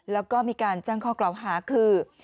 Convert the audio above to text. แล้วก็มีการแจ้งข้อกล่าวหาคือ